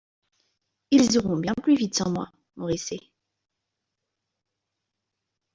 Ils iront bien plus vite sans moi." Moricet .